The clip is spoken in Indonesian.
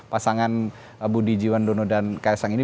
pasangan budi jiwandono dan ks sang ini